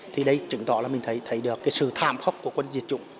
thì đây chứng tỏ là mình thấy được sự thảm khóc của quân diệt chủng